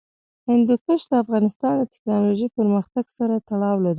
هندوکش د افغانستان د تکنالوژۍ پرمختګ سره تړاو لري.